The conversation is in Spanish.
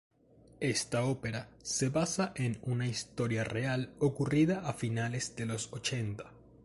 Esta ópera se basa en una historia real ocurrida a finales de los ochenta.